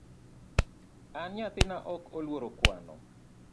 An nyathina ok oluoro kwano